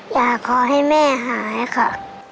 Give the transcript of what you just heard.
อยากให้แม่หายค่ะ